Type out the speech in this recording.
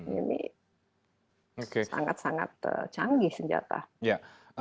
ini sangat sangat canggih senjata